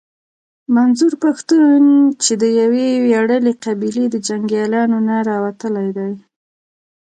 منظور پښتين چې د يوې وياړلې قبيلې د جنګياليانو نه راوتلی دی.